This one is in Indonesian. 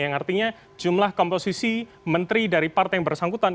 yang artinya jumlah komposisi menteri dari partai yang bersangkutan